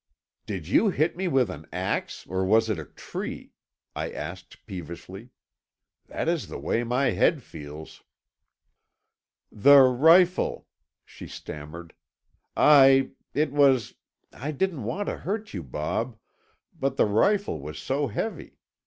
"Did you hit me with an axe, or was it a tree?" I asked peevishly. "That is the way my head feels." "The rifle," she stammered. "I—it was—I didn't want to hurt you, Bob, but the rifle was so heavy.